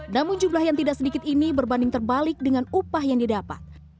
namun jumlah yang tidak sedikit ini berbanding terbalik dengan upah yang didapat